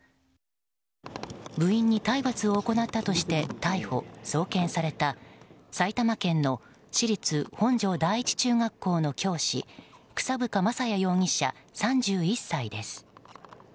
部員に体罰を行ったとして逮捕・送検された埼玉県の私立本庄第一中学校の教師草深将也容疑者、３１歳です。